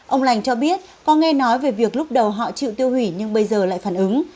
ông lành cho biết có nghe nói về việc lúc đầu họ chịu tiêu hủy nhưng bây giờ lại phản ứng